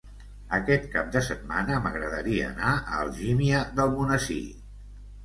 Aquest cap de setmana m'agradaria anar a Algímia d'Almonesir.